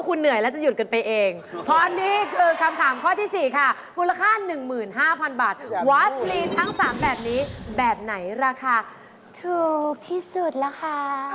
ก็ต้องถามข้อที่สี่ค่ะมูลค่า๑๕๐๐๐บาทวัสลีนทั้ง๓แบบนี้แบบไหนราคาถูกที่สุดแล้วค่ะ